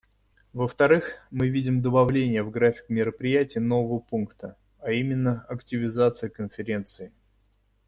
Во-вторых, мы видим добавление в график мероприятий нового пункта, а именно: активизация Конференции.